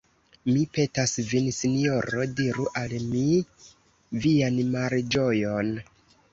Mi petas vin, sinjoro, diru al mi vian malĝojon!